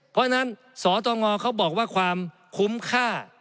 เพราะฉะนั้นสตงเขาบอกว่าความคุ้มค่า